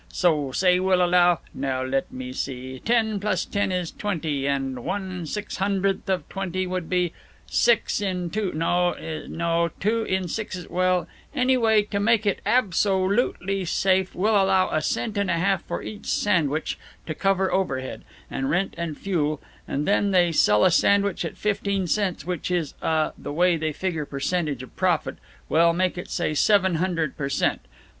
So say we'll allow now let me see, ten plus ten is twenty, and one six hundredth of twenty would be six in two is no, two in six is well, anyway, to make it ab so lute ly safe, we'll allow a cent and a half for each sandwich, to cover overhead and rent and fuel, and then they sell a sandwich at fifteen cents, which is, uh, the way they figure percentage of profit well, make it, say, seven hundred per cent.!